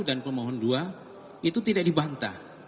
dan pemohon dua itu tidak dibantah